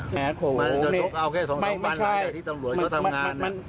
มันจะจบเอาแค่สองปันหลายอย่างที่ตำรวจก็ทำงาน